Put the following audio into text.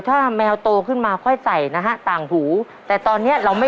ถูกทั้ง๓ข้อเลย